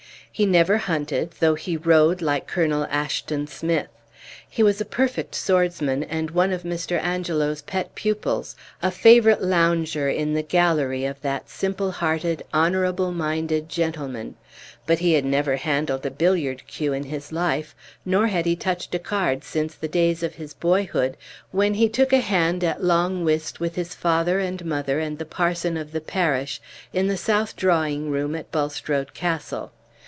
He never hunted, though he rode like Colonel Asheton Smith. He was a perfect swordsman, and one of Mr. Angelo's pet pupils, a favorite lounger in the gallery of that simple hearted, honorable minded gentleman; but he had never handled a billiard cue in his life, nor had he touched a card since the days of his boyhood, when he took a hand at long whist with his father, and mother, and the parson of the parish, in the south drawing room at Bulstrode Castle.